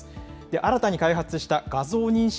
新たに開発した画像認識